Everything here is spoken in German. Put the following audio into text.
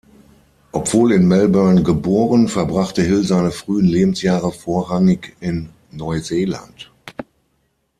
Obwohl in Melbourne geboren, verbrachte Hill seine frühen Lebensjahre vorrangig in Neuseeland.